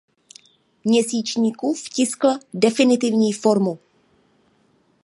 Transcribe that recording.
Měsíčníku vtiskl definitivní formu.